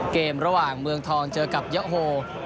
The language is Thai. เกมระหว่างเมืองทองเจอกับยะโฮ